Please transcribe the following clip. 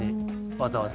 わざわざ。